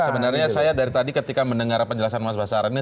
sebenarnya saya dari tadi ketika mendengar penjelasan mas basara ini